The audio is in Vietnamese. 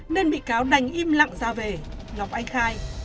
nên bị cáo đành im lặng ra về ngọc anh khai